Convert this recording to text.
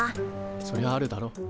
そりゃあるだろ。